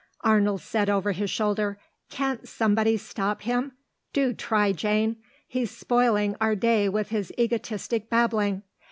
Arnold said over his shoulder, "Can't somebody stop him? Do try, Jane. He's spoiling our day with his egotistic babbling.